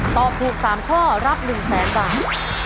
ตอบถูกสามข้อรับหนึ่งแสนบาท